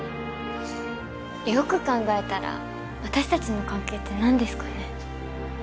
よく考えたら私達の関係ってなんですかね？